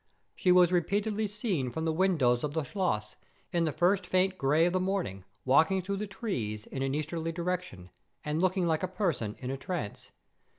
She was repeatedly seen from the windows of the schloss, in the first faint grey of the morning, walking through the trees, in an easterly direction, and looking like a person in a trance.